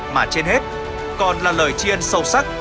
mà trên hết còn là lời chiên sâu sắc